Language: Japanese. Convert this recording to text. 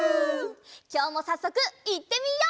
きょうもさっそくいってみよう！